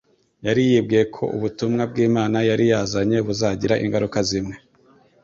Yari yibwiye ko ubutumwa bw'Imana yari yazanye buzagira ingaruka zimwe